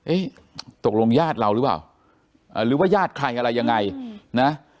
ตกลงญาติเราหรือเปล่าหรือว่าญาติใครอะไรยังไงนะ